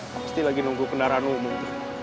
pasti lagi nunggu kendaraan umum